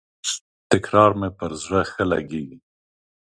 تکرار مي پر زړه ښه لګیږي.